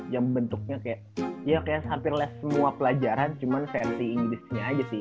yang bentuknya kayak ya kayak hampir less semua pelajaran cuma versi inggrisnya aja sih